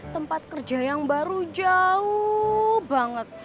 tempat kerja yang baru jauh banget